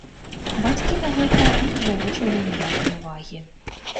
Бацькі на гэта не зварочвалі ніякай увагі.